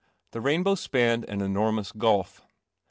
The rainbow spanned an enormous gulf.